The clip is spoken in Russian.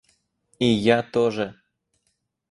И я тоже.